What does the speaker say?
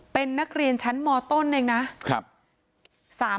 เป็นนักเรียนชั้นมต้นเองนะครับ